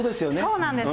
そうなんです。